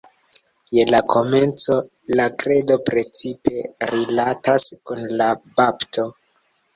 Je la komenco la Kredo precipe rilatas kun la bapto.